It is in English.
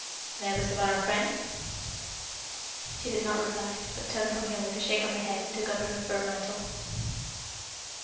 "Nervous about our friend?" She did not reply, but turned from him with a shake of the head and took up her fur mantle.